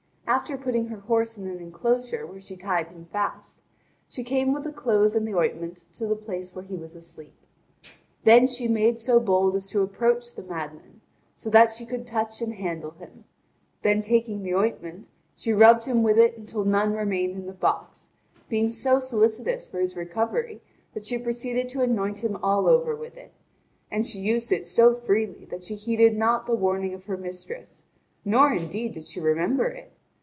After putting her horse in an enclosure where she tied him fast, she came with the clothes and the ointment to the place where he was asleep. Then she made so bold as to approach the madman, so that she could touch and handle him: then taking the ointment she rubbed him with it until none remained in the box, being so solicitous for his recovery that she proceeded to anoint him all over with it; and she used it so freely that she heeded not the warning of her mistress, nor indeed did she remember it.